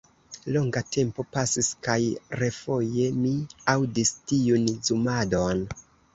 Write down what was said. Longa tempo pasis kaj refoje mi aŭdis tiun zumadon.